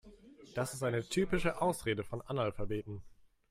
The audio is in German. Das ist eine typische Ausrede von Analphabeten.